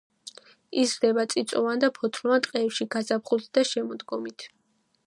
იზრდება წიწვოვან და ფოთლოვან ტყეებში გაზაფხულზე და შემოდგომით.